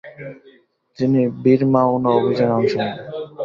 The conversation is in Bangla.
তিনি বির মা'উনা অভিযানে অংশ নেন।